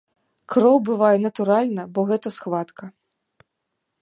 Кроў бывае, натуральна, бо гэта схватка.